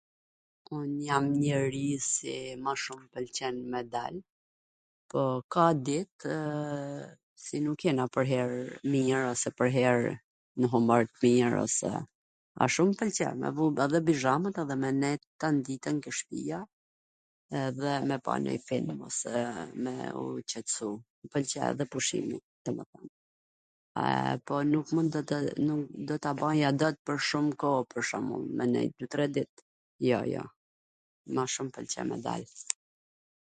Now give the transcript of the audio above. Un jam njeri si ma shum m pwlqen me dal, po ka ditww si nuk jena pwrher mir ose pwrherw nw humor t mir, ose ashu m pwlqen me vu edhe bizhamat edhe me nejt tan ditwn ke shpia, edhe me pa nonj film dhe me u qetsu, m pwlqe edhe pushimi, po nuk do ta baja dot pwr shum koh, pwr shwmbull me ndejt dy tre dit, jo jo, ma shum m pwlqen me dal.